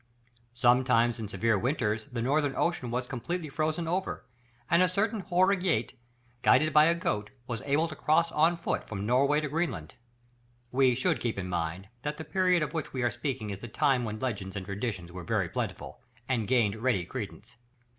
Sometimes in severe winters the Northern Ocean was completely frozen over, and a certain Hollur Geit, guided by a goat, was able to cross on foot from Norway to Greenland. We should keep in mind that the period of which we are speaking is the time when legends and traditions were very plentiful, and gained ready credence.